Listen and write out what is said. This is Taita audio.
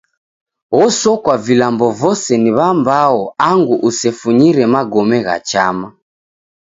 Osokwa vilambo vose ni w'ambao angu usefunyire magome gha chama.